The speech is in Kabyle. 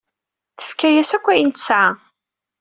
Tefka-yas akk ayen tesɛa.